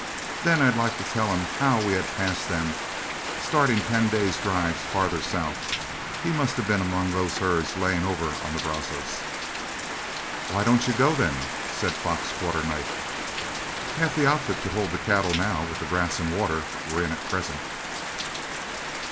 Then I'd like to tell him how we had passed them, starting ten days' drive farther south. He must have been amongst those herds laying over on the Brazos." "Why don't you go, then?" said Fox Quarternight. "Half the outfit could hold the cattle now with the grass and water we're in at present."